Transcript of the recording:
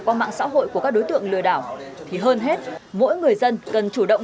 qua mạng xã hội của các đối tượng lừa đảo thì hơn hết mỗi người dân cần chủ động